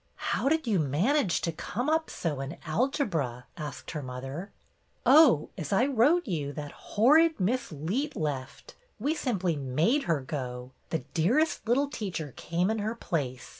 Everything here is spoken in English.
" How did you manage to come up so in alcebra.^ " asked her mother. " Oh, as I wrote to you, that horrid Miss Leet left. We simply made her go. The dearest little teacher came in her place.